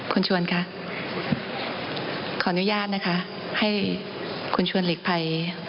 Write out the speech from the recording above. คุณชวนค่ะขออนุญาตนะคะให้คุณชวนหลีกภัย